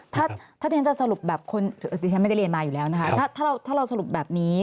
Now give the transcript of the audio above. ถ้าเทศจะสรุปแบบคนถือเทศไม่ได้เรียนมาอยู่แล้วถ้าเราสรุปแบบนี้